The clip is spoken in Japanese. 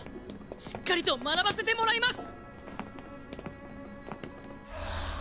しっかりと学ばせてもらいます！